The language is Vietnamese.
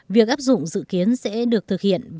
việc áp dụng dự kiến sẽ được thực hiện